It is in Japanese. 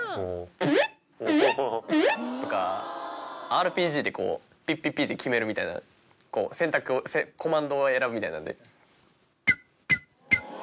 ＲＰＧでピッピッピッて決めるみたいな選択コマンドを選ぶみたいなんで。